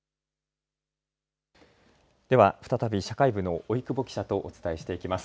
では、再び社会部の老久保記者とお伝えしていきます。